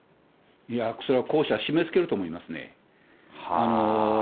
いやそれは後者、締めつけると思いますね。